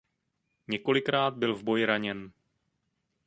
Několikrát byl v boji raněn.